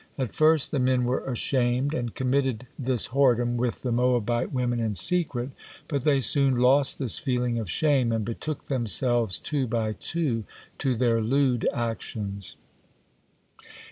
At first the men were ashamed and committed this whoredom with the Moabite women in secret, but they soon lost this feeling of shame and betook themselves two by two to their lewd actions.